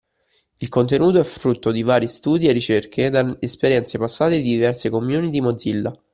Il contenuto è frutto di vari studi e ricerche da esperienze passate di diverse community Mozilla